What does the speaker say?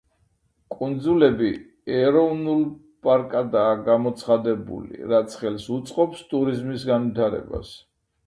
კუნძულები ეროვნულ პარკადაა გამოცხადებული, რაც ხელს უწყობს ტურიზმის განვითარებას.